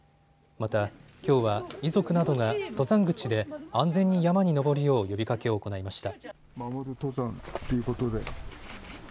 また、きょうは遺族などが登山口で安全に山に登るよう呼びかけを行いました。